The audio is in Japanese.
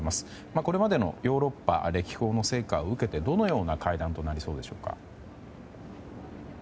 これまでのヨーロッパ歴訪の成果を受けてどのような会談となりそうですか？